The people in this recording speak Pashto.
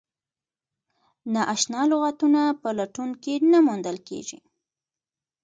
نا اشنا لغتونه په لټون کې نه موندل کیږي.